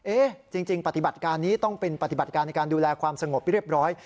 จริงปฏิบัติการนี้ต้องเป็นปฏิบัติการในการดูแลความสงบเรียบร้อย